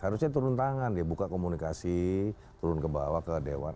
harusnya turun tangan dia buka komunikasi turun ke bawah ke dewan